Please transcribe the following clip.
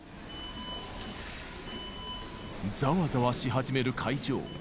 ざわざわし始める会場。